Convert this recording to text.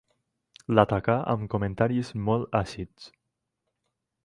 L'atacà amb comentaris molt àcids.